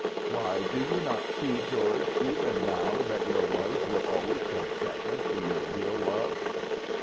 Why, do you not see, George, even now, that your wife will always come second to your real love?"